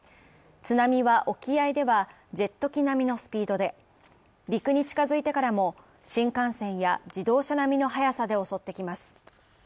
津波は沖合ではジェット機並みのスピードで陸に近づいてからも、新幹線や自動車並みの速さで襲ってきます。